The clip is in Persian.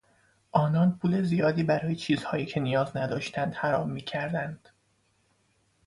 آنان پول زیادی برای چیزهایی که نیاز نداشتند حرام میکردند.